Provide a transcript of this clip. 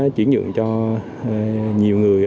chuyển nhượng cho nhiều người